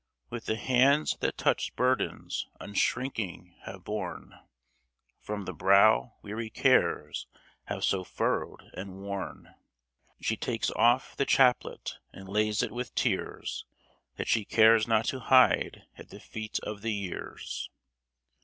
With the hands that such burdens unshrinking have borne, From the brow weary cares have so furrowed and worn, She takes off the chaplet, and lays it with tears. That she cares not to hide, at the feet of the Years.